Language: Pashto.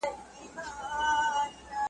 نه یې ږغ سوای تر شپانه ور رسولای `